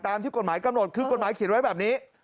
ที่กฎหมายกำหนดคือกฎหมายเขียนไว้แบบนี้